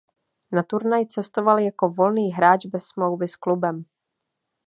Na turnaj cestoval jako volný hráč bez smlouvy s klubem.